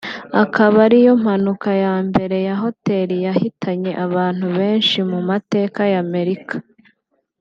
ikaba ariyo mpanuka ya mbere ya hoteli yahitanye abantu benshi mu mateka ya Amerika